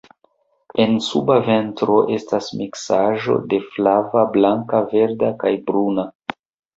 En suba ventro estas miksaĵo de flava, blanka, verda kaj bruna.